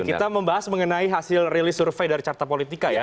kita membahas mengenai hasil rilis survei dari carta politika ya